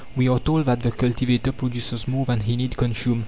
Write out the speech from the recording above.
We are told that the cultivator produces more than he need consume.